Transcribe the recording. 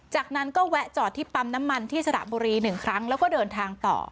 จากนั้นก็แวะจอดที่ปั๊มน้ำมันที่สระบุรี๑ครั้งแล้วก็เดินทางต่อ